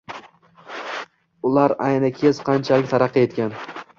Ular ayni kez qanchalik taraqqiy etgan